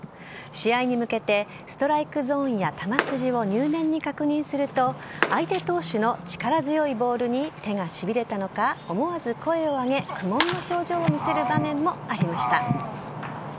試合に向けてストライクゾーンや球筋を入念に確認すると相手投手の力強いボールに手がしびれたのか思わず声を上げ苦悶の表情を見せる場面もありました。